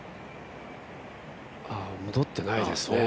戻ってないですね。